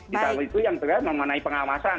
di dalam itu yang terakhir memenuhi pengawasan